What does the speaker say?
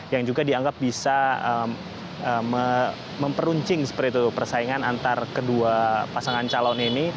yang juga dianggap bisa memperuncing seperti itu persaingan antara kedua pasangan calon ini